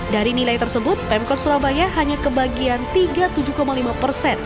dari nilai tersebut pemkot surabaya hanya kebagian tiga puluh tujuh lima persen